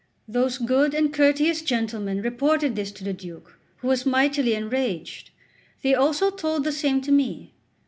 Those good and courteous gentlemen reported this to the Duke, who was mightily enraged; they also told the same to me.